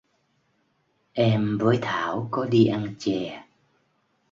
Em với Thảo có đi ăn chè